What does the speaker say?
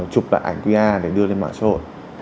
chụp lại ảnh qr để đưa lên mạng xã hội